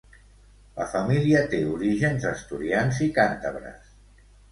La família té orígens asturians i càntabres.